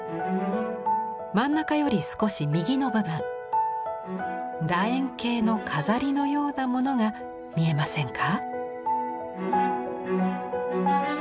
真ん中より少し右の部分だ円形の飾りのようなものが見えませんか？